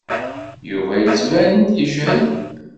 Yuba yettban-d yejhed.